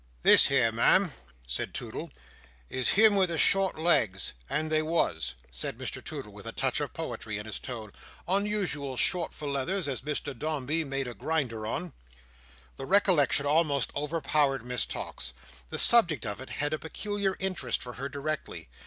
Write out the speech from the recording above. "This here, Ma'am," said Toodle, "is him with the short legs—and they was," said Mr Toodle, with a touch of poetry in his tone, "unusual short for leathers—as Mr Dombey made a Grinder on." The recollection almost overpowered Miss Tox. The subject of it had a peculiar interest for her directly.